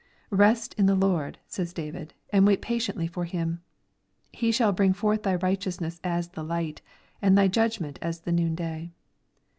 "Rest in the Lord," says David, " and wait patiently for Him." —" He shall bring forth thy righteousness as the light, and thy judg ment as the noonday."